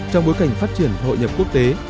trong bối cảnh phát triển hội nhập quốc tế